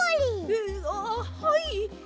えっあっはい！